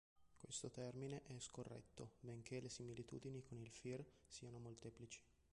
Questo termine è scorretto, benché le similitudine con il Fir siano molteplici.